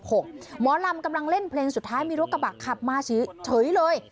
หมอลำกำลังเล่นเพลงสุดท้ายมีรถกระบะขับมาเฉยเลย